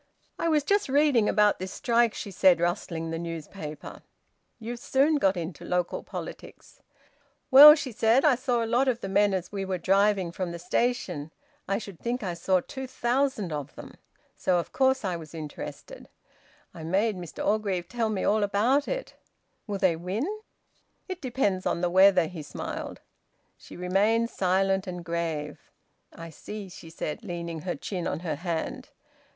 "I was just reading about this strike," she said, rustling the newspaper. "You've soon got into local politics." "Well," she said, "I saw a lot of the men as we were driving from the station. I should think I saw two thousand of them. So of course I was interested. I made Mr Orgreave tell me all about it. Will they win?" "It depends on the weather." He smiled. She remained silent, and grave. "I see!" she said, leaning her chin on her hand.